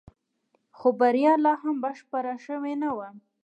خو بريا لا هم بشپړه شوې نه وه.